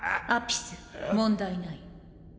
アピス問題ない。